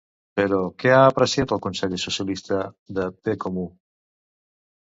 Però, què ha apreciat el conseller socialista de BComú?